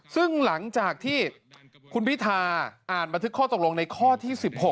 ซึ่งหลังจากที่คุณพิธาอ่านบันทึกข้อตกลงในข้อที่๑๖